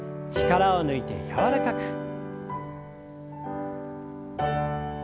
力を抜いて柔らかく。